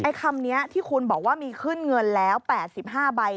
คำนี้ที่คุณบอกว่ามีขึ้นเงินแล้ว๘๕ใบ